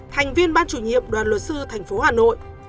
thành viên ban chủ nhiệm đoàn luật sư tp hcm